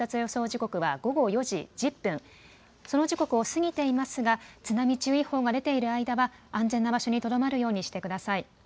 時刻は午後４時１０分、その時刻を過ぎていますが津波注意報が出ている間は安全な場所にとどまるようにしてください。